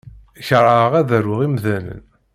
Keṛheɣ ad aruɣ imḍanen.